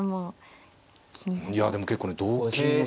いやでも結構ね同金の。